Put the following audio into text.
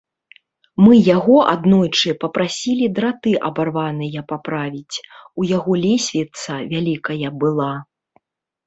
Мы яго аднойчы папрасілі драты абарваныя паправіць, у яго лесвіца вялікая была.